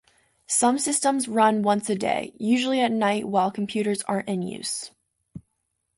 Some systems run once a day, usually at night while computers aren't in use.